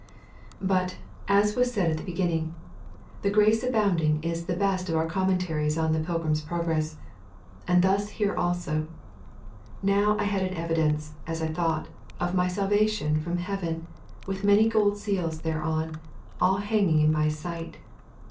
But, as was said at the beginning, the Grace Abounding is the best of all our commentaries on The Pilgrim's Progress. As thus here also: 'Now had I an evidence, as I thought, of my salvation from heaven, with many golden seals thereon, all hanging in my sight.